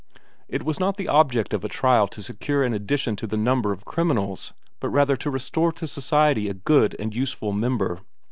It was not the object of a trial to secure an addition to the number of criminals, but rather to restore to society a good and useful member.